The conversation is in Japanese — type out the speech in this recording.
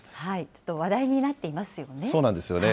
ちょっと話題になっていますよね。